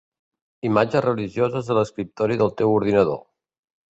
Imatges religioses a l'escriptori del teu ordinador.